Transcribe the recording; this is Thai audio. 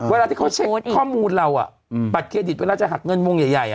เวลาที่เขาเช็คข้อมูลเราอ่ะอืมบัตรเครดิตเวลาจะหักเงื่อนมุมใหญ่ใหญ่อ่ะ